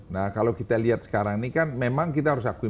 nah kalau kita lihat sekarang ini kan memang kita harus akui